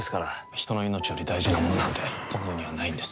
人の命より大事なものなんてこの世にはないんです